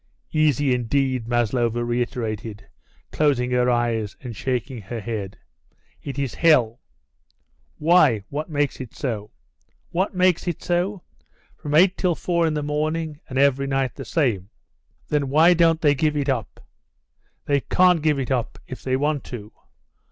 "Easy, indeed," Maslova reiterated, closing her eyes and shaking her head. "It is hell." "Why, what makes it so?" "What makes it so! From eight till four in the morning, and every night the same!" "Then why don't they give it up?" "They can't give it up if they want to.